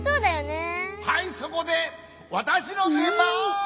はいそこでわたしのでばん！